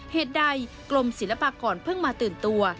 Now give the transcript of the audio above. เหตุใดกรมศิลปากรเพิ่งมาตื่นตัว